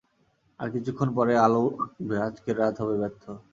আর কিছুক্ষণ পরেই আলো উঠবে, আজকের রাত হবে ব্যর্থ।